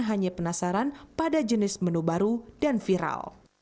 hanya penasaran pada jenis menu baru dan viral